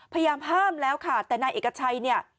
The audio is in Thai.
พยายามห้ามแล้วค่ะแต่นายเอกชัยเนี่ย